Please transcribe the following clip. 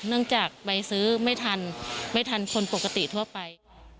เนื่องจากไปซื้อไม่ทันไม่ทันคนปกติทั่วไป